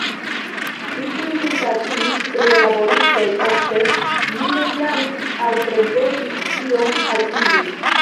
Li tuj simpatiis pri la laboristoj, ofte li deklamis aŭ prezentis ion al ili.